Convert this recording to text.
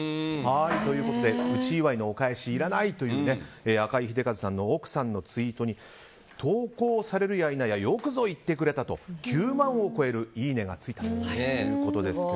内祝いのお返しいらないという赤井英和さんの奥さんのツイートに投稿されるや否やよくぞ言ってくれたと９万を超えるいいねがついたということですが